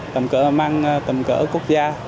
tầm cỡ mang tầm cỡ quốc gia